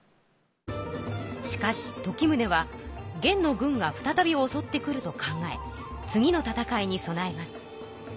しかし時宗は元の軍が再びおそってくると考え次の戦いに備えます。